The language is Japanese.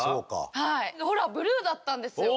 ほらブルーだったんですよ。